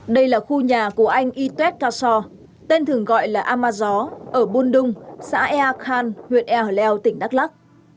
đây là khu nhà của anh itwet kassor tên thường gọi là amazó ở bôn đung xã eakhan huyện erleu tỉnh đắk lắc